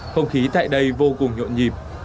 không khí tại đây vô cùng nhộn nhịp